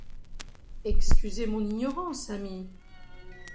Excusez mon ignorance, ami.